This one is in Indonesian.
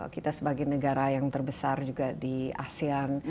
kita sebagai negara yang terbesar di asean